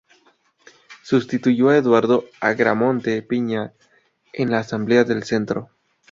Sustituyó a Eduardo Agramonte Piña en la Asamblea del Centro.